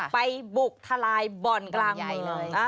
ไปบุกทลายบ่อนกลางเมืองเลย